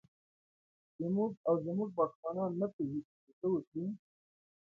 چې موږ او زموږ واکمنان نه پوهېږي چې څه وکړي.